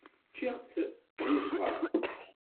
Ččiɣ-tt deg zzheṛ.